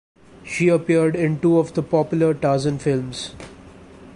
She appeared in two of the popular Tarzan films.